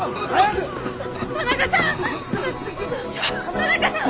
田中さん！